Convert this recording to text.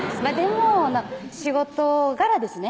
でも仕事柄ですね